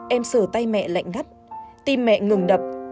em sửa tay mẹ lạnh ngắt tim mẹ ngừng đập